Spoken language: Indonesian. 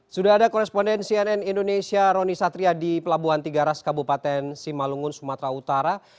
sudah ada koresponden cnn indonesia roni satria di pelabuhan tiga ras kabupaten simalungun sumatera utara